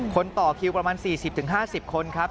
ต่อคิวประมาณ๔๐๕๐คนครับ